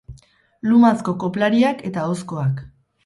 Lumazko koplariak eta ahozkoak.